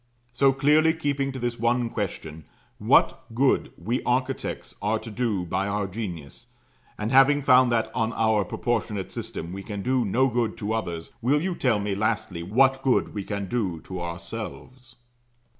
So clearly keeping to this one question, what good we architects are to do by our genius; and having found that on our proportionate system we can do no good to others, will you tell me, lastly, what good we can do to ourselves?